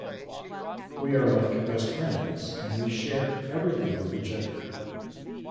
We are like best friends and we share everything with each other.